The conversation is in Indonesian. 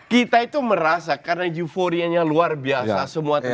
kita itu merasa karena euforianya luar biasa semua terjadi